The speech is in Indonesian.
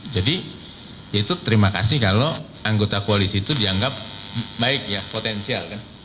jadi itu terima kasih kalau anggota koalisi itu dianggap baik ya potensial kan